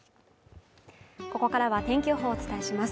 ここからは天気予報をお伝えします